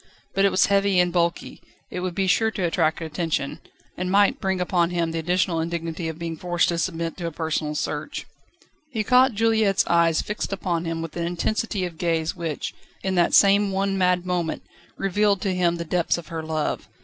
But it was heavy and bulky; it would be sure to attract attention, and might bring upon him the additional indignity of being forced to submit to a personal search. He caught Juliette's eyes fixed upon him with an intensity of gaze which, in that same one mad moment, revealed to him the depths of her love.